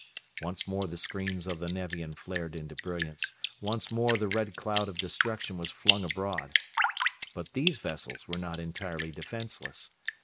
Once more the screens of the Nevian flared into brilliance, once more the red cloud of destruction was flung abroad. But these vessels were not entirely defenseless.